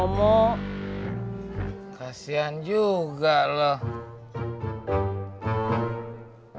nengi neke ngasih kaos bagus sama si purnomo